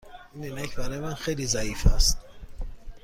این عینک برای من خیلی ضعیف است.